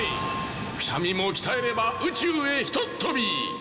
くしゃみもきたえればうちゅうへひとっとび！